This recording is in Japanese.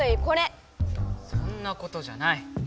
そんなことじゃない。